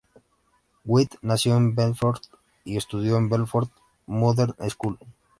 White nació en Bedford y estudió en la Bedford Modern School.